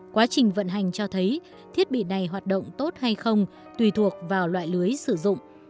quá trình vận hành cho thấy thiết bị này hoạt động tốt hay không tùy thuộc vào loại lưới sử dụng